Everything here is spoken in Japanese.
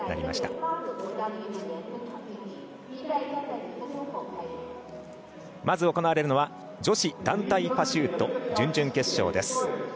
まず行われるのは女子団体パシュート準々決勝です。